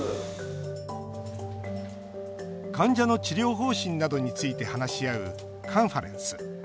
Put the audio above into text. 患者の治療方針などについて話し合うカンファレンス。